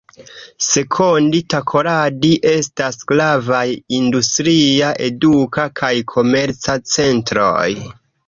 Sekondi-Takoradi estas gravaj industria, eduka kaj komerca centroj.